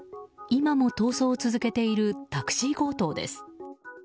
今も逃走を続けているタクシー強盗です。